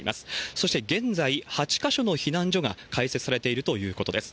そして現在、８か所の避難所が開設されているということです。